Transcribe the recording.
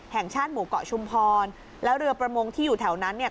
แห่งชาติหมู่เกาะชุมพรแล้วเรือประมงที่อยู่แถวนั้นเนี่ย